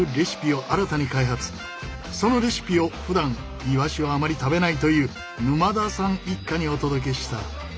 そのレシピをふだんイワシをあまり食べないという沼田さん一家にお届けした。